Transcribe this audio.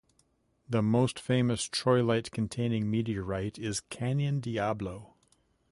The most famous troilite-containing meteorite is Canyon Diablo.